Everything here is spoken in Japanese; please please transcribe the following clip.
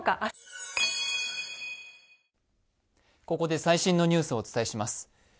ここで最新のニュースをお伝えします。